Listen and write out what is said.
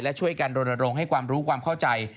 และช่วยกันรณรงค์ให้ความรู้ความเข้าใจ